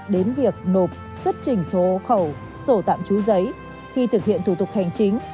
đến việc nộp xuất trình sổ hộ khẩu sổ tạm chú giấy khi thực hiện thủ tục hành chính